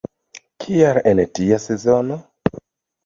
Kial en tia sezono?